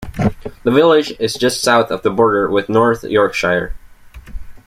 The village is just south of the border with North Yorkshire.